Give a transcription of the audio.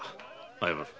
謝る。